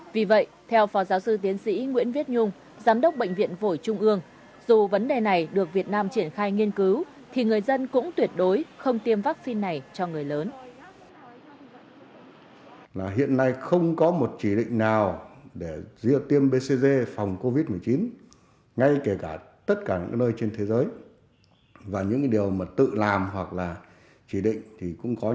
vì vậy theo phó giáo sư tiến sĩ nguyễn viết nhung giám đốc bệnh viện vội trung ương dù vấn đề này được việt nam triển khai nghiên cứu thì người dân cũng tuyệt đối không tiêm vaccine này cho người lớn